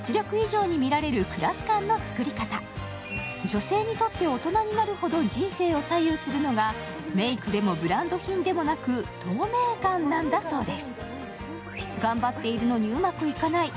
女性にとって大人になるほど人生を左右するのがメークでもブランド品でもなく、透明感なんだそうです。